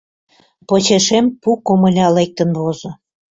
Почешем пу комыля лектын возо.